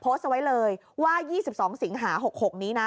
โพสต์เอาไว้เลยว่า๒๒สิงหา๖๖นี้นะ